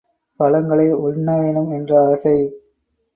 பழங்களை உண்ணவேனும் என்ற ஆசை.